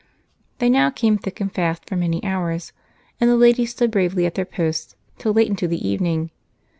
They now came thick and fast for many hours, and the ladies stood bravely at their posts till late into the evening.